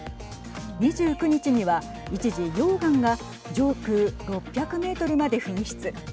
２９日には、一時、溶岩が上空６００メートルまで噴出。